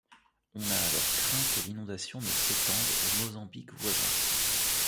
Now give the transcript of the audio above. On a alors craint que l'inondation ne s'étende au Mozambique voisin.